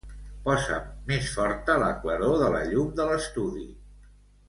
Posa'm més forta la claror de la llum de l'estudi.